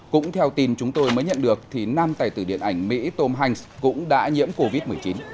cũng theo tin chúng tôi mới nhận được thì nam tài tử điện ảnh mỹ tom hanks cũng đã nhiễm covid một mươi chín